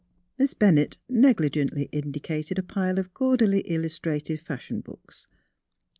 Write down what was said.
Miss Bennett negligently indicated a pile of gaudily illustrated fashion books.